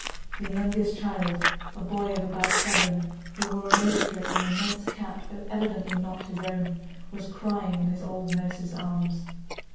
The youngest child, a boy of about seven, who wore an overcoat and an immense cap evidently not his own, was crying in his old nurse's arms.